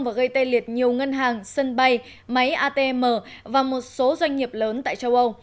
và gây tê liệt nhiều ngân hàng sân bay máy atm và một số doanh nghiệp lớn tại châu âu